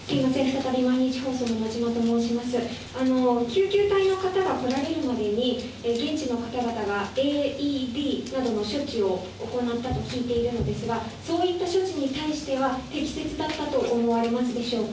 救急隊の方が来られるまでに、現地の方々がＡＥＤなどの処置を行ったと聞いているのですが、そういった処置に対しては、適切だったと思われますでしょう